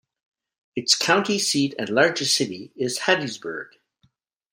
Its county seat and largest city is Hattiesburg.